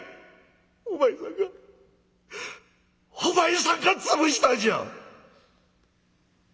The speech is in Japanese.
お前さんがお前さんが潰したんじゃ！」。